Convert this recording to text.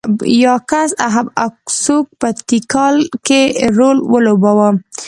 یاکس اهب اکسوک په تیکال کې رول ولوباوه.